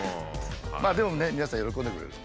でもね皆さん喜んでくれるんで。